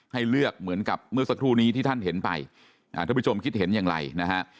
ให้เลือกเหมือนกับเมื่อสักครู่นี้ที่ท่านเห็นไปท่านผู้ชมคิดเห็นอย่างไรนะฮะ